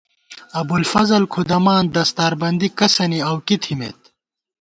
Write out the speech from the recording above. ابُوالفضل کُھدَمان دستاربندی کسَنی اؤ کی تھِمېت